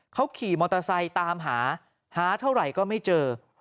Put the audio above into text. เขาขี่มอเตอร์ไซค์ตามหาหาเท่าไหร่ก็ไม่เจอ